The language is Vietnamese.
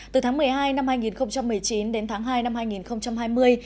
từ tháng một mươi hai năm hai nghìn một mươi chín đến tháng hai năm hai nghìn hai mươi